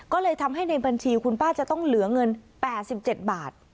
ก็เลยทำให้ในบัญชีคุณป้าจะต้องเหลือเงิน๘๗บาท